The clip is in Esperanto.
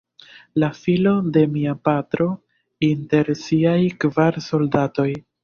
La filo de mia patro, inter siaj kvar soldatoj.